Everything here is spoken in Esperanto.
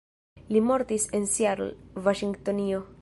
Li mortis en Seattle, Vaŝingtonio.